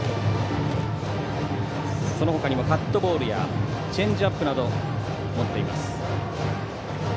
その他にもカットボールやチェンジアップなど持っています。